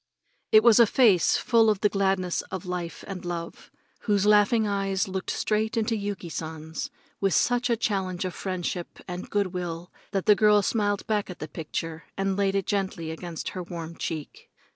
It was a face full of the gladness of life and love, whose laughing eyes looked straight into Yuki San's with such a challenge of friendship and good will that the girl smiled back at the picture and laid it gently against her warm cheek.